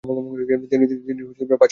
তিনি পাঁচ সন্তানের পিতা।